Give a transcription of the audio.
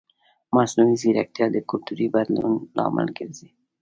مصنوعي ځیرکتیا د کلتوري بدلون لامل ګرځي.